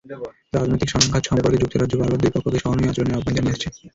রাজনৈতিক সংঘাত সম্পর্কে যুক্তরাজ্য বারবার দুই পক্ষকে সহনীয় আচরণের আহ্বান জানিয়ে আসছে।